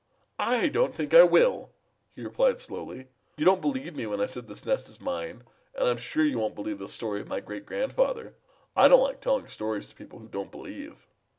"I don't think I will," he replied slowly. "You didn't believe me when I said that this nest is mine, and so I'm sure you won't believe the story of my great grandfather. I don't like telling stories to people who don't believe."